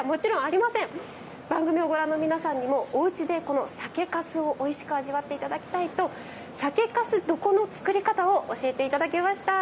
番組をご覧の皆さんにもおうちでこの酒かすをおいしく味わって頂きたいと酒かす床の作り方を教えて頂きました。